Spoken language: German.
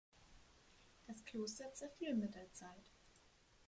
Das Kloster zerfiel mit der Zeit.